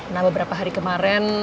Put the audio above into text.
nah beberapa hari kemarin